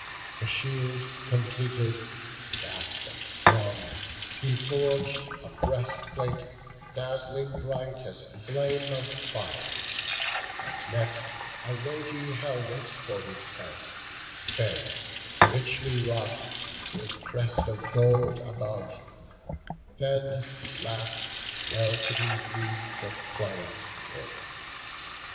The shield completed, vast and strong, he forg'd A breastplate, dazzling bright as flame of fire; And next, a weighty helmet for his head, Fair, richly wrought, with crest of gold above; Then last, well fitting greaves of pliant tin.